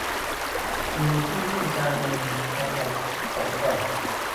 กินที่นี่จานนึง เอากลับสองกล่อง